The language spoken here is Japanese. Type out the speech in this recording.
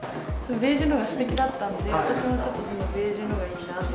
ベージュのがすてきだったんで、私もちょっとベージュのがいいなと。